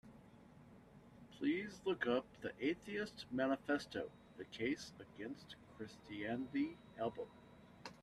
Please look up the Atheist Manifesto: The Case Against Christianity album.